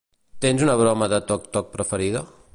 Tens una broma de toc-toc preferida?